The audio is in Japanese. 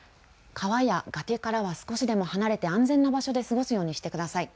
川や崖からは少しでも離れて安全な場所で過ごすようにしてください。